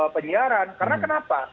penyiaran karena kenapa